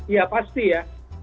ya pasti ya